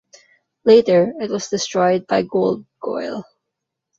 Later, it was destroyed by Goldgoyle.